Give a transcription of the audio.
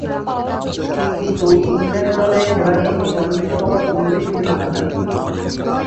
কিন্তু ইংল্যান্ড দলে খেলার জন্য মনোনীত হবার পূর্বেই তিনি মারা যান।